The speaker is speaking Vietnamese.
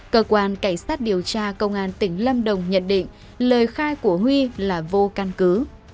cơ quan cảnh sát điều tra công an tỉnh lâm đồng nhận định lời khai của huy là vô căn cứ